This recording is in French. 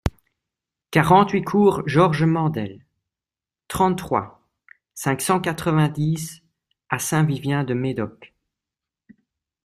quarante-huit cours Georges Mandel, trente-trois, cinq cent quatre-vingt-dix à Saint-Vivien-de-Médoc